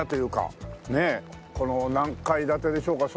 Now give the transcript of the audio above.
この何階建てでしょうか？